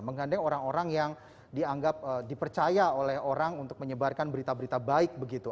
menggandeng orang orang yang dianggap dipercaya oleh orang untuk menyebarkan berita berita baik begitu